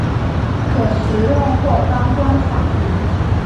可食用或当观赏鱼。